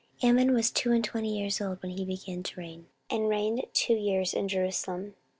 14:033:021 Amon was two and twenty years old when he began to reign, and reigned two years in Jerusalem.